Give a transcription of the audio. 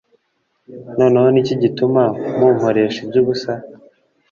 Noneho ni iki gituma mumporesha iby ubusa